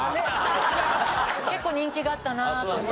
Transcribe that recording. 結構人気があったなと思って。